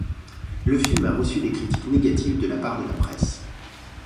Le film a reçu des critiques négatives de la part de la presse.